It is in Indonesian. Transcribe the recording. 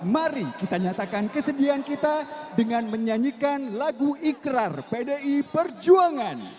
mari kita nyatakan kesedihan kita dengan menyanyikan lagu ikrar pdi perjuangan